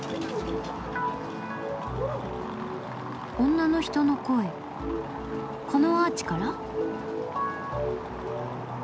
女の人の声このアーチから？